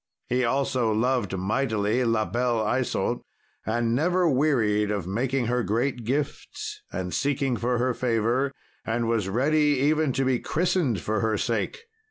He also loved mightily La Belle Isault, and never wearied of making her great gifts, and seeking for her favour, and was ready even to be christened for her sake.